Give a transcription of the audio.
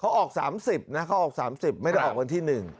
เขาออก๓๐นะเขาออก๓๐ไม่ได้ออกวันที่๑